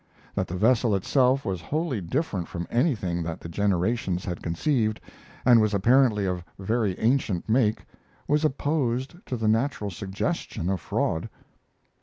That the vessel itself was wholly different from anything that the generations had conceived, and was apparently of very ancient make, was opposed to the natural suggestion of fraud.